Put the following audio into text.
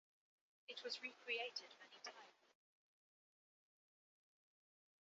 It was recreated many times.